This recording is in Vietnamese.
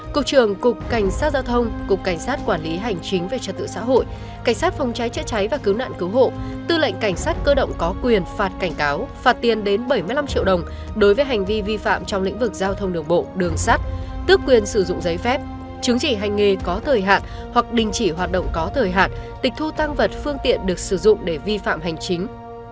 cục trường cục cảnh sát giao thông cục cảnh sát quản lý hành chính về trật tự xã hội cảnh sát phòng trái chữa trái và cứu nạn cứu hộ tư lệnh cảnh sát cơ động có quyền phạt cảnh cáo phạt tiền đến bảy mươi năm triệu đồng đối với hành vi vi phạm trong lĩnh vực giao thông đường bộ đường sắt tước quyền sử dụng giấy phép chứng chỉ hành nghề có thời hạn hoặc đình chỉ hoạt động có thời hạn tịch thu tăng vật phương tiện được sử dụng để vi phạm hành chính